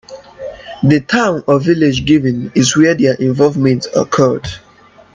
The town or village given is where their involvement occurred.